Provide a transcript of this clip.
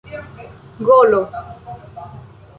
golo